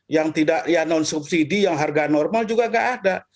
yang tidak yang non subsidi yang harga normal juga nggak ada